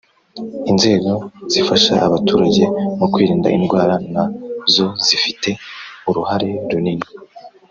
inzego zifasha abaturage mu kwirinda indwara na zo zifite uruhare runini.